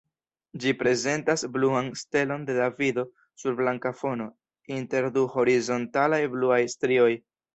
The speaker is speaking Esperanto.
Ĝi prezentas bluan stelon de Davido sur blanka fono, inter du horizontalaj bluaj strioj.